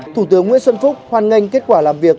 thủ tướng nguyễn xuân phúc hoan nghênh kết quả làm việc